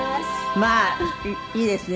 まあいいですね